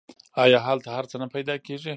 آیا هلته هر څه نه پیدا کیږي؟